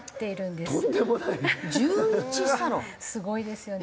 すごいですよね。